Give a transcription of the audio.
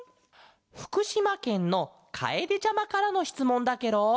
ふくしまけんのかえでちゃまからのしつもんだケロ。